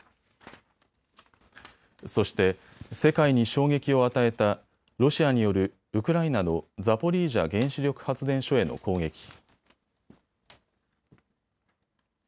そして世界に衝撃を与えたロシアによるウクライナのザポリージャ原子力発電所への攻撃。